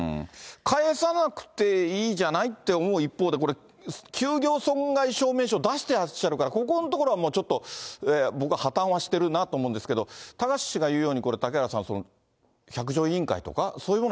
返さなくていいじゃないって思う一方で、これ、休業損害証明書出してらっしゃるから、ここのところはもうちょっと、僕は破たんはしてるなと思うんですけど、貴志氏が言うように、これ、嵩原さん、百条委員会とか、そういうもの